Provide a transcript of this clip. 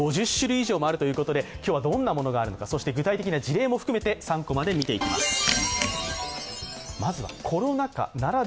５０種類以上あるということでどんなものがあるのか、そして具体的な事例も含めて３コマで見ていきます。